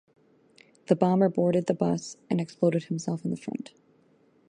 The bomber boarded the bus and exploded himself in the front.